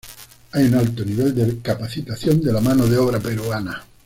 Hay un alto nivel de capacitación de la mano de obra peruana.